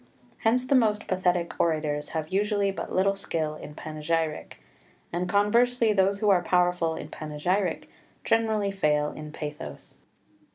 Hence the most pathetic orators have usually but little skill in panegyric, and conversely those who are powerful in panegyric generally fail in pathos.